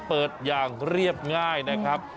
เปิดอย่างเรียบง่ายนะครับ